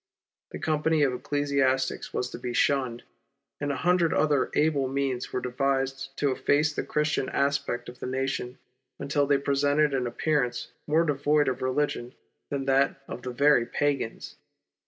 The company of ecclesiastics was to be shunned, and a hundred other able means were devised to efface the Christian aspect of the nations until they presented an appearance more devoid of religion than that of the very pagans.